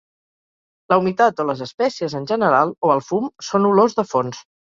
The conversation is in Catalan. La humitat o les espècies en general o el fum són olors de fons.